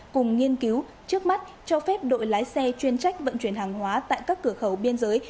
cùng nghiên cứu trước mắt cho phép đội lái xe chuyên trách vận chuyển hàng hóa tại các cửa khẩu biên giới